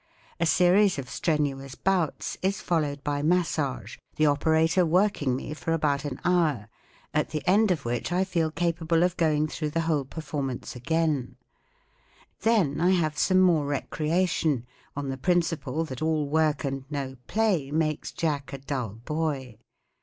A series of strenuous bouts is followed by massage, the operator working me for about an hour, at the end of which I feel capable of going through the whole performance again, Then I have some more recreation, on the principle that all work and no play makes Jack a dull boy.